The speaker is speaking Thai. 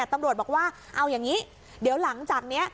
ตำรวจบอกว่าเอาอย่างนี้เดี๋ยวหลังจากนี้